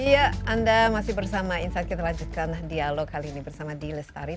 iya anda masih bersama insight kita lanjutkan dialog kali ini bersama d lestari